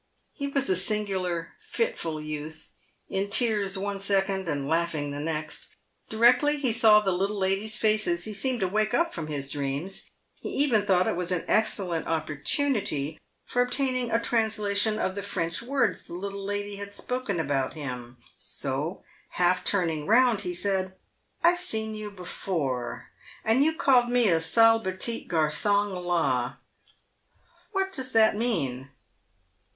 He was a singular, fitful youth ; in tears one second, and laughing the next. Directly he saw the little ladies' faces, he seemed to wake up from his dreams ; he even thought it was an excellent opportunity for obtaining a translation of the French words the little lady had spoken about him, so, half turning round, he said, " I've seen you before, and you called me a ' sal pettit garsong la.' "What does that mean?"